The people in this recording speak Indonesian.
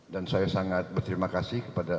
dan saya sangat berterima kasih kepada